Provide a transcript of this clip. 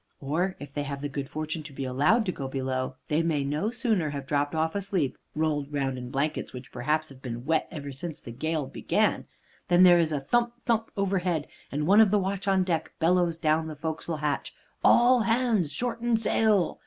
Or, if they have the good fortune to be allowed to go below, they may no sooner have dropped off asleep (rolled round in blankets which perhaps have been wet ever since the gale began) than there is a thump, thump overhead, and one of the watch on deck bellows down the forecastle hatch, "All hands shorten sail."